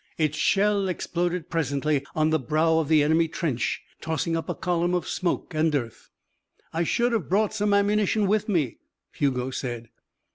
Its shell exploded presently on the brow of the enemy trench, tossing up a column of smoke and earth. "I should have brought some ammunition with me," Hugo said.